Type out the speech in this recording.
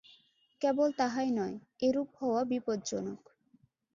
কেবল তাহাই নয়, এরূপ হওয়া বিপজ্জনক।